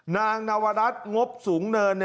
นางนวรัฐงบสูงเนิน